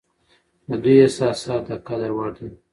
د دوی احساسات د قدر وړ دي.